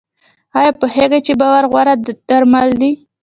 ایا پوهیږئ چې باور غوره درمل دی؟